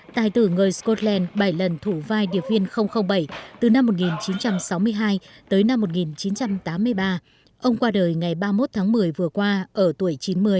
tài tử người scotland bảy lần thủ vai điệp viên bảy từ năm một nghìn chín trăm sáu mươi hai tới năm một nghìn chín trăm tám mươi ba ông qua đời ngày ba mươi một tháng một mươi vừa qua ở tuổi chín mươi